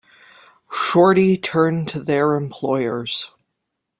Shorty turned to their employers.